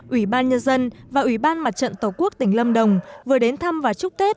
ủy ban nhân dân và ủy ban mặt trận tổ quốc tỉnh lâm đồng vừa đến thăm và chúc tết